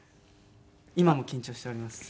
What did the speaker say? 今も緊張しております。